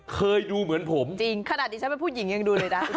เคยดูเหมือนผมจริงขนาดนี้ฉันเป็นผู้หญิงยังดูเลยนะ